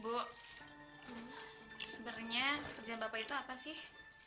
bu sebenarnya pekerjaan bapak itu apa sih